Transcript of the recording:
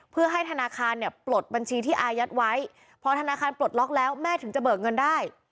เพื่อให้ธนาคารเนี่ยปลดบัญชีที่อายัดไว้พอธนาคารปลดล็อกแล้วแม่ถึงจะเบิกเงินได้